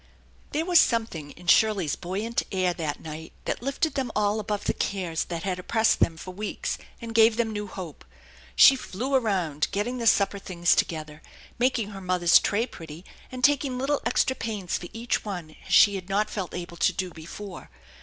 There was something in Shirley's buoyant air that night that lifted them all above the cares that had oppressed them for weeks, and gave them new hope. She flew around, getting the supper things together, making her mother's tray pretty, and taking little extra pains for each one as she had not felt able to do before.